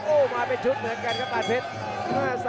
โอ้โหมาเป็นชุดเหมือนกันครับปานเพชร